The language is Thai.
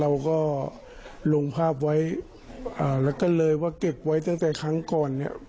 แล้วก็ลงภาพไว้แล้วก็เลยเก็บไว้ตั้งแต่ครั้งก่อน